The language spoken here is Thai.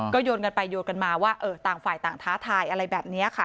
โยนกันไปโยนกันมาว่าต่างฝ่ายต่างท้าทายอะไรแบบนี้ค่ะ